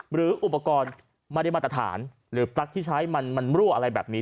หรืออุปกรณ์ไม่ได้มาตรฐานหรือปลั๊กที่ใช้มันรั่วอะไรแบบนี้